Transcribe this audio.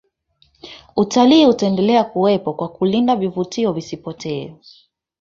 utalii utaendelea kuwepo kwa kulinda vivutio visipotee